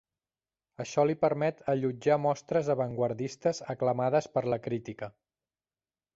Això li permet allotjar mostres avantguardistes aclamades per la crítica.